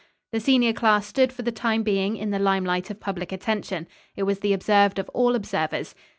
The senior class stood for the time being in the limelight of public attention. It was the observed of all observers.